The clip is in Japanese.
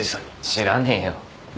知らねえよ。